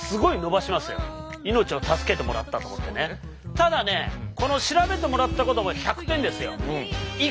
ただねこの調べてもらったことはもう１００点ですよ。